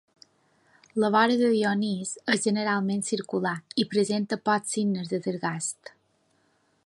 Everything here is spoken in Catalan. La vora de Dionís és generalment circular i presenta pocs signes de desgast.